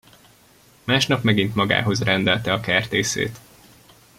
Másnap megint magához rendelte a kertészét.